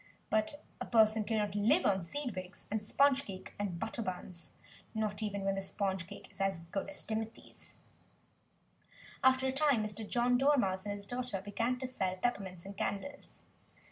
But a person cannot live on "seed wigs" and sponge cake and butter buns not even when the sponge cake is as good as Timothy's! After a time Mr. John Dormouse and his daughter began to sell peppermints and candles.